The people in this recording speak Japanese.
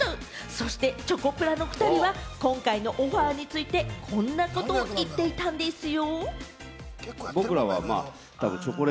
そしてチョコプラのおふたりは、今回のオファーについて、こんなことを言っていたんですよ。